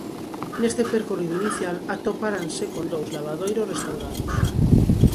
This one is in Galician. Neste percorrido inicial, atoparanse con dous lavadoiros restaurados.